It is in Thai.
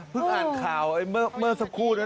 เหมือนอ่านข่าวที่เมื่อสักครูนะ